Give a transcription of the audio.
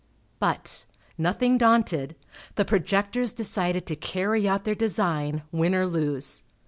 But, nothing daunted, the projectors decided to carry out their design, win or lose.